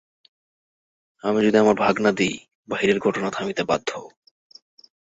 আমি যদি আমার ভাগ না দিই, বাহিরের ঘটনা থামিতে বাধ্য।